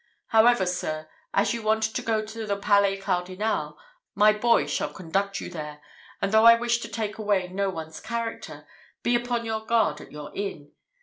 However, sir, as you want to go to the Palais Cardinal, my boy shall conduct you there; and though I wish to take away no one's character, be upon your guard at your inn.